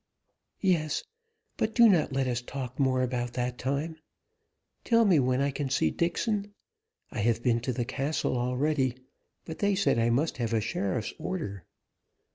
"Yes, but do not let us talk more about that time. Tell me when can I see Dixon? I have been to the castle already, but they said I must have a sheriff's order."